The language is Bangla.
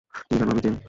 তুমি জানো আমি কে?